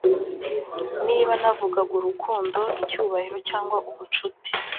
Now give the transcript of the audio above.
niba navugaga urukundo, icyubahiro cyangwa ubucuti